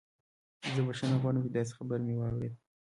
زه بخښنه غواړم چې داسې خبر مې واورید